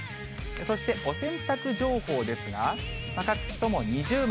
そしてお洗濯情報ですが、各地とも二重丸。